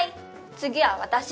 次は私。